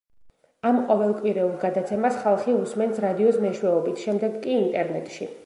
ამ ყოველკვირეულ გადაცემას ხალხი უსმენს რადიოს მეშვეობით, შემდეგ კი ინტერნეტში.